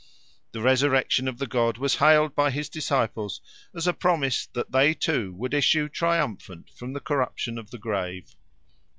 The resurrection of the god was hailed by his disciples as a promise that they too would issue triumphant from the corruption of the grave.